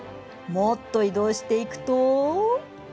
もっと移動していくと。